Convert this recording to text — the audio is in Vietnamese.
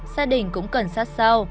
gia đình cũng cần sát sao